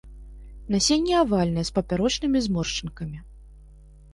Насенне авальнае, з папярочнымі зморшчынкамі.